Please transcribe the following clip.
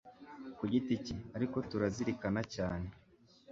ku giti cye, ariko turazirikana cyane